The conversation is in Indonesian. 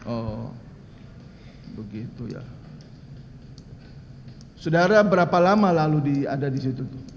oh begitu ya saudara berapa lama lalu diada di situ